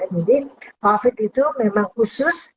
jadi covid itu memang khusus